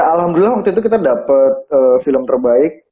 alhamdulillah waktu itu kita dapat film terbaik